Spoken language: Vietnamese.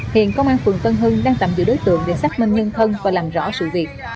hiện công an phường tân hưng đang tạm giữ đối tượng để xác minh nhân thân và làm rõ sự việc